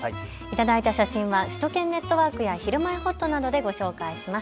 頂いた写真は首都圏ネットワークやひるまえほっとなどでご紹介します。